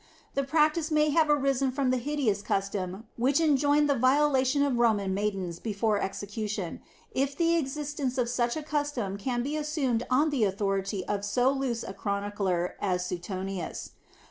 The practice may have arisen from the hideous custom which enjoined the violation of Roman maidens before execution, if the existence of such a custom can be assumed on the authority of so loose a chronicler as Suetonius.